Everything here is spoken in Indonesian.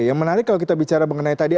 yang menarik kalau kita bicara mengenai tadi